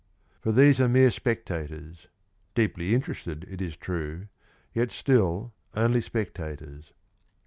For these are mere spectators, deeply interested, it is true, yet still only spectators.